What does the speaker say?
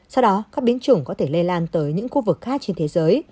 sau đó các biến chủng có thể lây lan tới những khu vực khác trên thế giới